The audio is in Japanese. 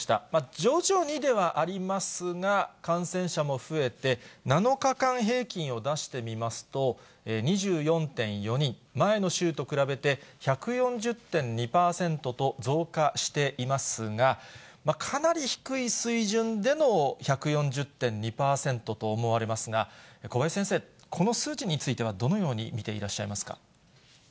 徐々にではありますが、感染者も増えて、７日間平均を出してみますと、２４．４人、前の週と比べて１４０．２％と、増加していますが、かなり低い水準での１４０．２％と思われますが、小林先生、この数値についてはどのように見ていらっしゃいますか？